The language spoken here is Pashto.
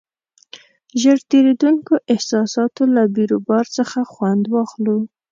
ژر تېرېدونکو احساساتو له بیروبار څخه خوند واخلو.